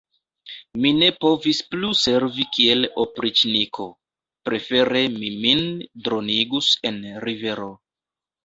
Mi ne povis plu servi kiel opriĉniko: prefere mi min dronigus en rivero.